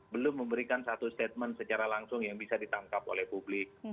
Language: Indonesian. belum memberikan satu statement secara langsung yang bisa ditangkap oleh publik